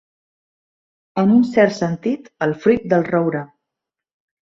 En un cert sentit, el fruit del roure.